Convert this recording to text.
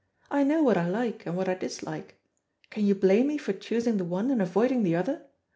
I know what I like, and what I dislike. Can you blame me for choosing the one, and avoiding the other?